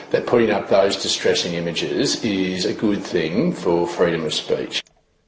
bahwa menambahkan gambar yang menjengkelkan itu adalah hal yang baik untuk kebebasan berbicara